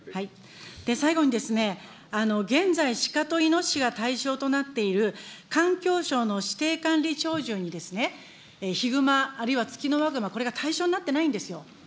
最後にですね、現在、鹿といのししが対象となっている、環境省の指定管理鳥獣にヒグマ、あるいはツキノワグマ、これが対象になってないんですよ。